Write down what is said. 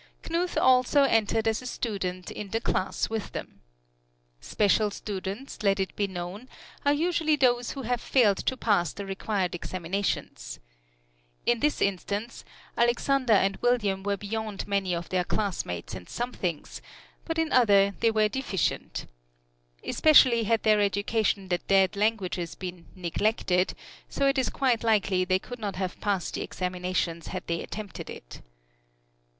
Knuth also entered as a student in the class with them. Special students, let it be known, are usually those who have failed to pass the required examinations. In this instance, Alexander and William were beyond many of their classmates in some things, but in others they were deficient. Especially had their education in the dead languages been "neglected," so it is quite likely they could not have passed the examinations had they attempted it.